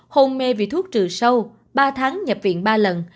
hôn mê vì thuốc trừ sâu ba tháng nhập viện ba lần